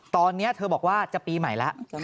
ตอนนี้เธอบอกว่าจะปีใหม่แล้ว